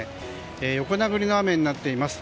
横殴りの雨になっています。